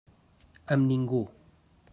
Amb ningú.